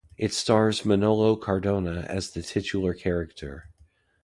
It stars Manolo Cardona as the titular character.